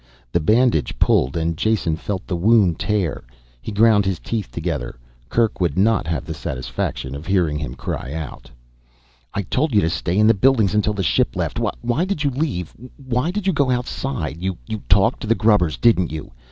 The bandage pulled and Jason felt the wound tear open. He ground his teeth together; Kerk would not have the satisfaction of hearing him cry out. "I told you to stay in the buildings until the ship left. Why did you leave? Why did you go outside? You talked to the grubbers didn't you?"